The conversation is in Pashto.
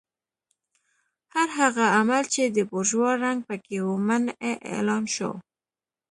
هر هغه عمل چې د بورژوا رنګ پکې و منع اعلان شو.